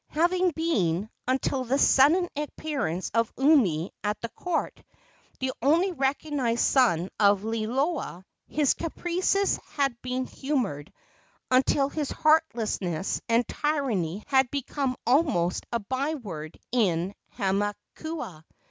Having been, until the sudden appearance of Umi at the court, the only recognized son of Liloa, his caprices had been humored until his heartlessness and tyranny had become almost a by word in Hamakua.